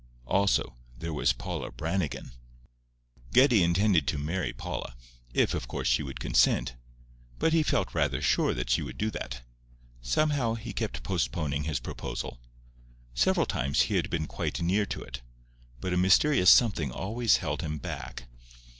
Also, there was Paula Brannigan. Geddie intended to marry Paula—if, of course, she would consent; but he felt rather sure that she would do that. Somehow, he kept postponing his proposal. Several times he had been quite near to it; but a mysterious something always held him back.